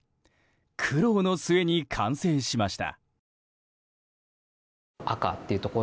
苦労の末に完成しました。